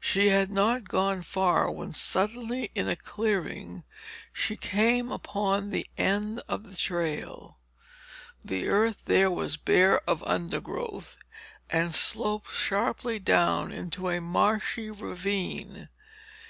She had not gone far, when suddenly in a clearing she came upon the end of the trail. The earth here was bare of undergrowth and sloped sharply down into a marshy ravine.